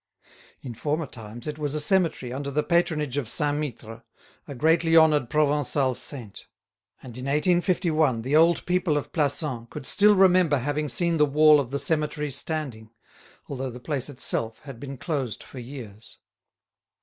In former times it was a cemetery under the patronage of Saint Mittre, a greatly honoured Provencal saint; and in 1851 the old people of Plassans could still remember having seen the wall of the cemetery standing, although the place itself had been closed for years.